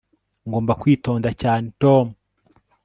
ngomba kwitonda cyane, tom